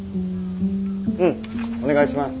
うんお願いします。